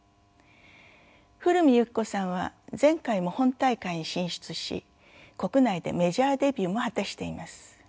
古海行子さんは前回も本大会に進出し国内でメジャーデビューも果たしています。